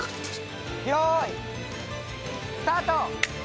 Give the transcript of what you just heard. よーい、スタート！